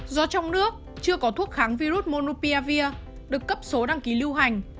do trong nước chưa có thuốc kháng virus monupiavir được cấp số đăng ký lưu hành